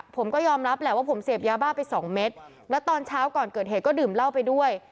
ผมก็ยอมรับแหละว่าผมเสพยาบ้าไปสองเม็ดแล้วตอนเช้าก่อนเกิดเหตุก็ดื่มเหล้าไปด้วย